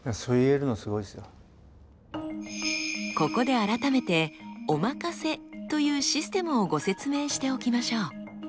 ここで改めておまかせというシステムをご説明しておきましょう。